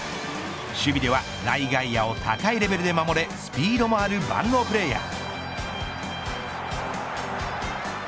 守備では内外野を高いレベルで守れスピードもある万能プレーヤー。